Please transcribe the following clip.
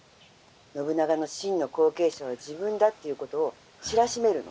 信長の真の後継者は自分だっていうことを知らしめるの。